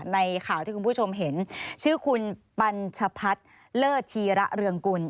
ในข่าวที่คุณผู้ชมเห็นชื่อคุณปัญชพัฒน์เลิศธีระเรืองกุล